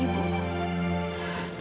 kemudian sekarang kita pulang ibu